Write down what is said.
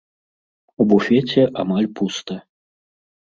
У буфеце амаль пуста.